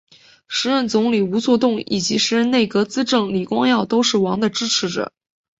时任总理吴作栋以及时任内阁资政李光耀都是王的支持者。